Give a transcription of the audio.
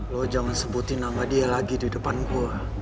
lo jangan sebutin nama dia lagi di depan gue